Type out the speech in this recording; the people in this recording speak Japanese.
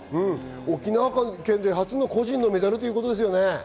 沖縄県で初の個人のメダルということですよね。